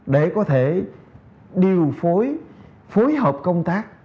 để có thể điều phối phối hợp công tác